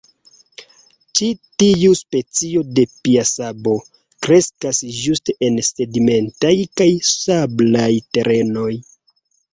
Ĉi tiu specio de piasabo kreskas ĝuste en sedimentaj kaj sablaj terenoj.